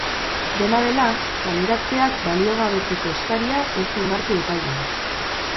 Dena dela, kaleratzeak baliogabetzeko eskaria ez du onartu epaileak.